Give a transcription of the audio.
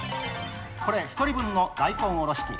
これ、１人分の大根おろし器。